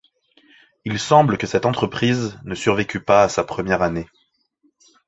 Il semble que cette entreprise ne survécut pas à sa première année.